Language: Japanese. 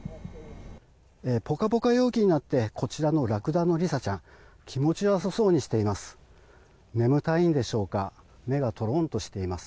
ポカポカ陽気になってこちらのラクダのリサちゃん気持ち良さそうにしています。